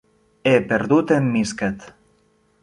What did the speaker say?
He perdut en Misket.